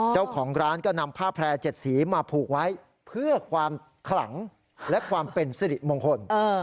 เจ้าของร้านก็นำผ้าแพร่๗สีมาผูกไว้เพื่อความขลังและความเป็นสิริมงคล